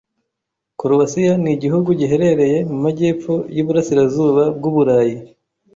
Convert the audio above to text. Korowasiya ni igihugu giherereye mu majyepfo y’iburasirazuba bw’Uburayi.